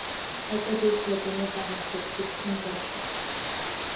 Акы деихәлагәаны дамахуп, изхымгарашәа.